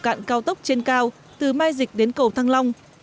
cầu cạn cao tốc trên cao từ mai dịch đến cầu thăng long